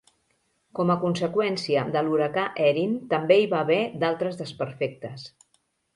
Com a conseqüència de l'huracà Erin també hi va haver d'altres desperfectes.